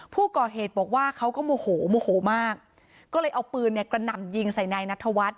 ผู้ก่อเหตุบอกว่าเขาก็โมโหโมโหมากก็เลยเอาปืนเนี่ยกระหน่ำยิงใส่นายนัทวัฒน